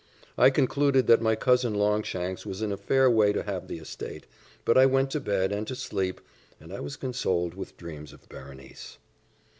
I concluded that my cousin Longshanks was in a fair way to have the estate; but I went to bed and to sleep, and I was consoled with dreams of Berenice.